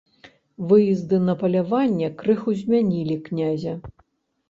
Выезды на паляванне крыху змянілі князя.